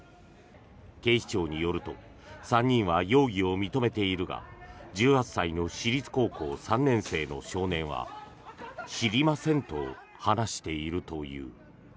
警視庁によると３人は容疑を認めているが１８歳の私立高校３年生の少年は知りませんと話しているという。